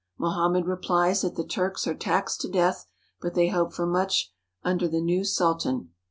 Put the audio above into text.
Mohammed replies that the Turks are taxed to death, but they hope for much under the new Sultan.